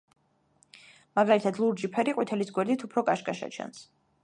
მაგალითად, ლურჯი ფერი ყვითელის გვერდით უფრო კაშკაშა ჩანს.